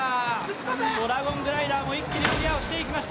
ドラゴングライダーも一気にクリアしていきました。